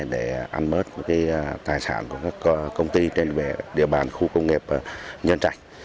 để ăn bớt tài sản của các công ty trên địa bàn khu công nghiệp nhân trạch